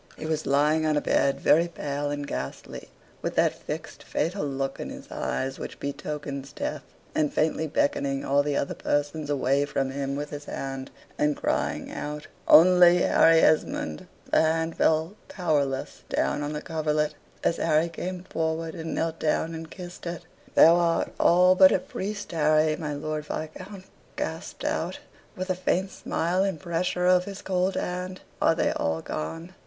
He was lying on a bed, very pale and ghastly, with that fixed, fatal look in his eyes, which betokens death; and faintly beckoning all the other persons away from him with his hand, and crying out "Only Harry Esmond," the hand fell powerless down on the coverlet, as Harry came forward, and knelt down and kissed it. "Thou art all but a priest, Harry," my Lord Viscount gasped out, with a faint smile, and pressure of his cold hand. "Are they all gone?